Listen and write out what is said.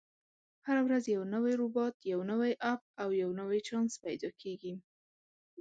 هره ورځ یو نوی روباټ، یو نوی اپ، او یو نوی چانس پیدا کېږي.